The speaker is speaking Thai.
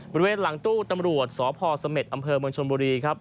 บริเวณหลังตู้ตำรวจสพเสม็ดอำเภอเมืองชนบุรีครับ